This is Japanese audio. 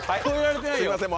すいません